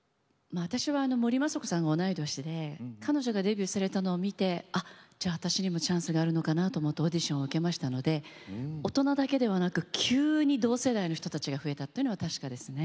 私は森昌子さんが同い年で彼女がデビューされたのを見て「あっじゃあ私にもチャンスがあるのかな」とオーディションを受けましたので大人だけではなく急に同世代の人たちが増えたっていうのは確かですね。